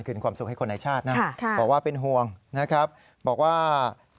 ความสุขให้คนในชาตินะบอกว่าเป็นห่วงนะครับบอกว่า